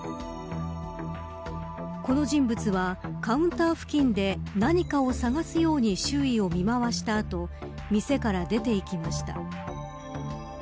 この人物はカウンター付近で何かを探すように周囲を見回した後店から出て行きました。